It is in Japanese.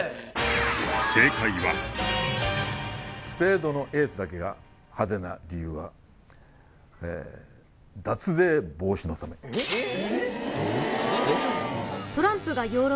スペードのエースだけが派手な理由は脱税防止のため脱税？